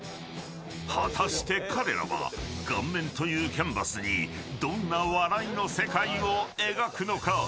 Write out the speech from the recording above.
果たして彼らは顔面というキャンバスにどんな笑いの世界を描くのか。